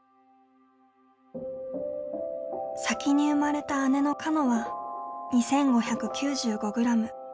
先に生まれた姉のかのは２，５９５グラム。